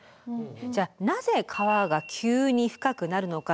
じゃあなぜ川が急に深くなるのか？